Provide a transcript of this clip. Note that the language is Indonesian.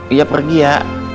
uya pergi ya